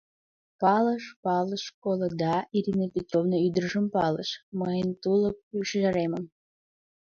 Палыш... палыш... колыда, Ирина Петровна ӱдыржым палыш... мыйын тулык шӱжаремым...